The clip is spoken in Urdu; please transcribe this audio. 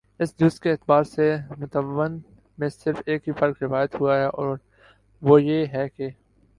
اس جز کے اعتبار سے متون میں صرف ایک ہی فرق روایت ہوا ہے اور وہ یہ ہے کہ